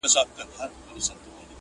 د شهید قبر یې هېر دی له جنډیو٫